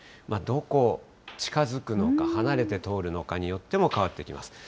どこ、近づくのか、離れて通るのかによっても変わってきます。